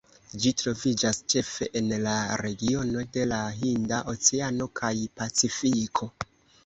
Ĝi troviĝas ĉefe en la regiono de la Hinda oceano kaj Pacifiko.